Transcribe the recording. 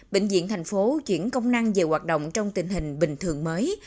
bệnh viện thành phố chuyển công năng về hoạt động trong tình hình bình thường mới